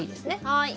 はい。